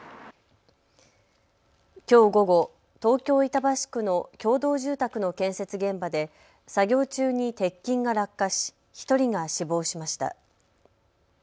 きょう午後、東京板橋区の共同住宅の建設現場で作業中に鉄筋が落下し１人が死亡しました。